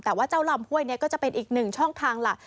แต่ว่าเจ้าลำห้วยนี้ก็จะเป็นอีกหนึ่งช่องทางหลัก